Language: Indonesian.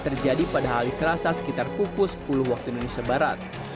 terjadi pada hari selasa sekitar pukul sepuluh waktu indonesia barat